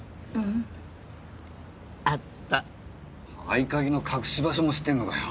合い鍵の隠し場所も知ってんのかよ。